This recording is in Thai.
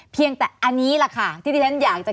เพียงแต่อันนี้แหละค่ะที่ที่ฉันอยากจะ